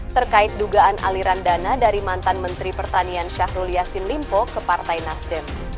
terkait dugaan aliran dana dari mantan menteri pertanian syahrul yassin limpo ke partai nasdem